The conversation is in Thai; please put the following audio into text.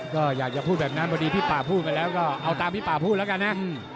ก็อยากจะพูดแบบนั้นพอดีพี่ป่าพูดไปแล้วก็เอาตามพี่ป่าพูดแล้วกันนะ